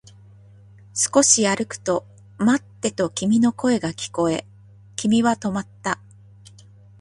少し歩くと、待ってと君の声が聞こえ、君は止まった